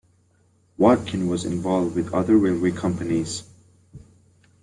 Watkin was involved with other railway companies.